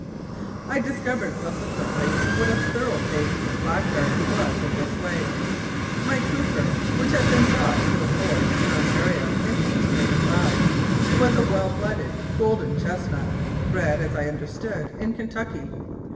I discovered subsequently what a thorough paced blackguard he was in this way. My trooper, which had been bought for the Force in Ontario in 1885, was a well blooded golden chestnut, bred, as I understood, in Kentucky.